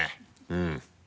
うん。